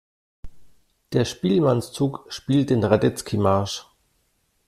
Der Spielmannszug spielt den Radetzky-Marsch.